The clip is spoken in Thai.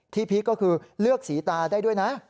พีคก็คือเลือกสีตาได้ด้วยนะ